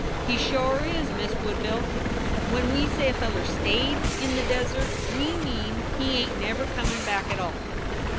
"He shore is, Miz Woodville! When we say a feller stayed in the desert we mean he ain t never comin back at tall.